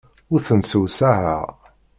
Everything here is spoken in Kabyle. Ur tent-ssewsaɛeɣ.